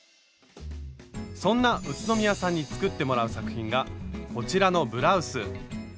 そんな宇都宮さんに作ってもらう作品がこちらのブラウス。